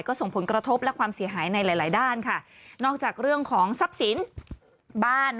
ก็ส่งผลกระทบและความเสียหายในหลายหลายด้านค่ะนอกจากเรื่องของทรัพย์สินบ้าน